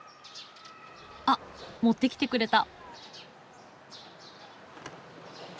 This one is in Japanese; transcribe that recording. あっ持ってきてくれた。